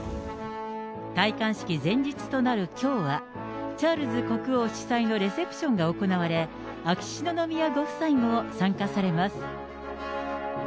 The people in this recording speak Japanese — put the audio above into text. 戴冠式前日となるきょうは、チャールズ国王主催のレセプションが行われ、秋篠宮ご夫妻も参加されます。